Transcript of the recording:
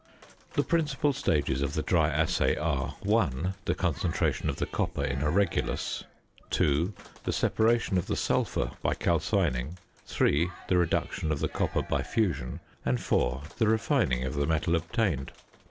The principal stages of the dry assay are: (1) the concentration of the copper in a regulus; (2) the separation of the sulphur by calcining; (3) the reduction of the copper by fusion; and (4) the refining of the metal obtained.